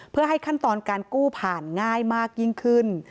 เพื่อให้ขั้นตอนการกู้ผ่านง่ายมากยิ่งขึ้น